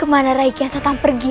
kemana rai kian santang pergi